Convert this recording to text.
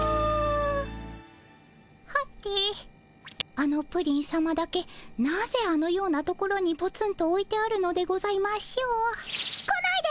あのプリンさまだけなぜあのような所にポツンとおいてあるのでございましょう？来ないで！